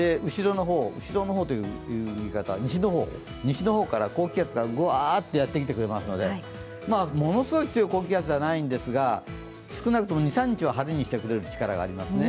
後ろの方、西の方から高気圧がぐわっとやってきてくれますのでものすごい高気圧ではないんですが少なくとも２３日晴れにしてくれる力がありますね。